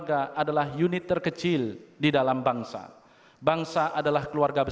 para hadirin yang berbahagia